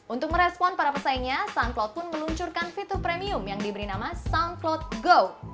untuk merespon para pesaingnya soundcloud pun meluncurkan fitur premium yang diberi nama souncloud go